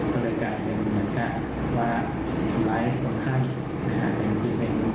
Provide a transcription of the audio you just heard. ก็เลยจะเป็นเหมือนกันว่าร้ายคนไข้นะครับ